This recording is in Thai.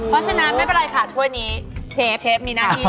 เพราะฉะนั้นไม่เป็นไรค่ะถ้วยนี้เชฟเชฟมีหน้าที่